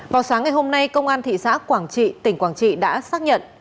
vào sáng ngày hôm nay công an thị xã quảng trị tỉnh quảng trị đã xác nhận